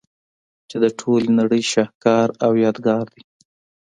چي د ټولي نړۍ شهکار او يادګار دئ.